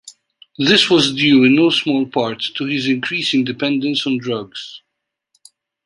This was due in no small part to his increasing dependence on drugs.